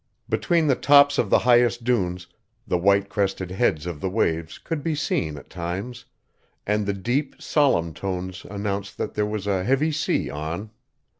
Between the tops of the highest dunes the white crested heads of the waves could be seen at times; and the deep, solemn tones announced that there was "a heavy sea on."